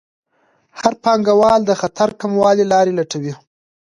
هر پانګوال د خطر کمولو لارې لټوي.